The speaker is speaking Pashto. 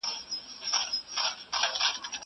کېدای سي نان تياره وي!!